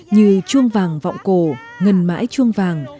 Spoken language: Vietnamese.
như chuông vàng vọng cổ ngân mãi chuông vàng